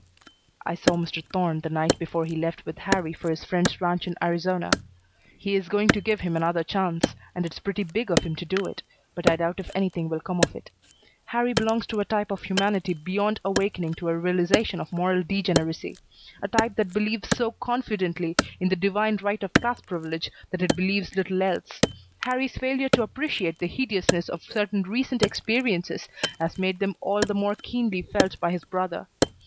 "I saw Mr. Thorne the night before he left with Harrie for his friend's ranch in Arizona. He is going to give him another chance, and it's pretty big of him to do it, but I doubt if anything will come of it. Harrie belongs to a type of humanity beyond awakening to a realization of moral degeneracy; a type that believes so confidently in the divine right of class privilege that it believes little else. Harrie's failure to appreciate the hideousness of certain recent experiences has made them all the more keenly felt by his brother.